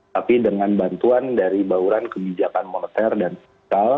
tapi dengan bantuan dari bauran kebijakan moneter dan digital